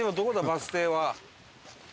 バス停は。